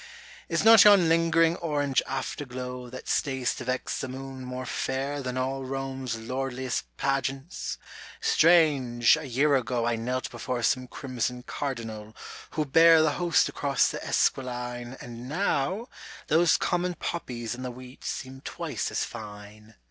Is not yon lingering orange afterglow That stays to vex the moon more fair than all Rome's lordliest pageants ! strange, a year ago I knelt before some crimson Cardinal Who bare the Host across the Esquiline, And now — those common poppies in the wheat seem twice as fine.